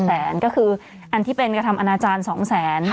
แสนก็คืออันที่เป็นกระทำอนาจารย์๒แสน